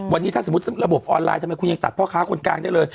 วันนี้ถ้าสมมุติระบบออนไลน์ทำไมคุณยังตัดพ่อค้าคนกลางได้เลย